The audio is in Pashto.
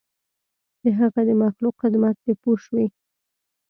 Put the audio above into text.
د هغه د مخلوق خدمت دی پوه شوې!.